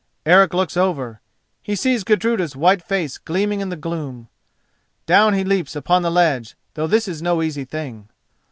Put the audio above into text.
Eric looks over. He sees Gudruda's white face gleaming in the gloom. Down he leaps upon the ledge, though this is no easy thing.